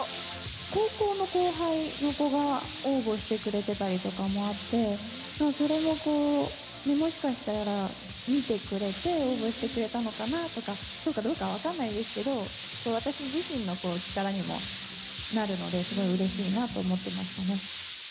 高校の後輩の子が応募してくれてたりとかもあって、それもこう、もしかしたら見てくれて応募してくれたのかなとか、そうかどうかは分からないですけど、私自身の力にもなるので、すごいうれしいなと思ってましたね。